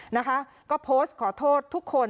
นะคะก็โพสต์ขอโทษทุกคน